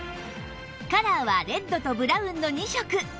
カラーはレッドとブラウンの２色